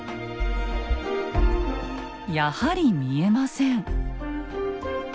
やはり見えません。